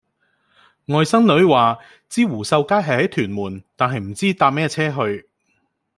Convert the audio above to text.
外甥女話知湖秀街係喺屯門但係唔知搭咩野車去